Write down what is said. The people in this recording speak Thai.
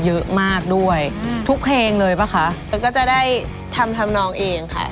เยอะมากด้วยอืมทุกเพลงเลยปะคะเอิ้นก็จะได้ทำนองเองค่ะ